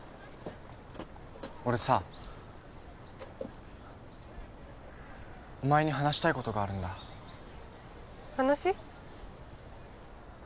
俺さお前に話したいことがあるんだ話？